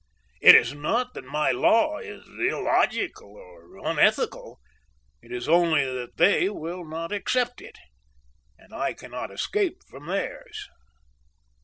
It is not that my law is illogical or unethical, it is only that they will not accept it, and I cannot escape from theirs.